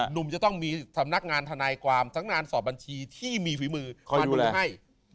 หนุ่มจะต้องมีสำนักงานทนายความทั้งงานสอบบัญชีที่มีฝีมือมาดูให้